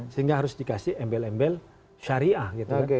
sehingga harus dikasih embel embel syariah gitu kan